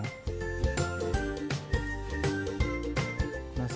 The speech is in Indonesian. masukkan ke dalam nasi